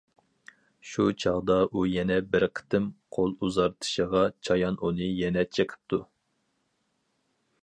شۇ چاغدا ئۇ يەنە بىر قېتىم قول ئۇزارتىشىغا چايان ئۇنى يەنە چېقىپتۇ.